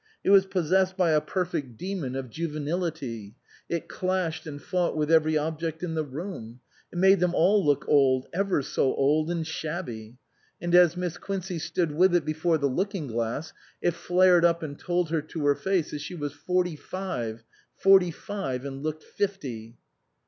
It was possessed by a perfect demon of 259 SUPERSEDED juvenility ; it clashed and fought with every object in the room ; it made them all look old, ever so old, and shabby. And as Miss Quincey stood with it before the looking glass, it flared up and told her to her face that she was forty five forty five, and looked fifty.